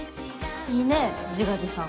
いいね自画自賛。